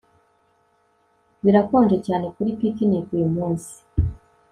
Birakonje cyane kuri picnic uyumunsi